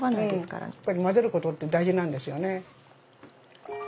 やっぱり混ぜることって大事なんですよね。